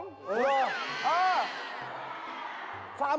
ประแหง